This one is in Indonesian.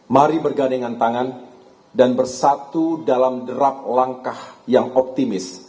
mari bergandingan tangan dan bersatu dalam derap langkah yang optimis